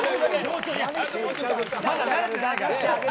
まだ慣れてないから。